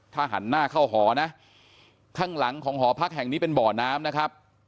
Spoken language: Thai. ถ้าหันหน้าเข้าหอนะข้างหลังของหอพักแห่งนี้เป็นบ่อน้ำนะครับ